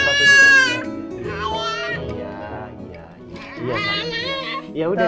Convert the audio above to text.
ya udah disitu dulu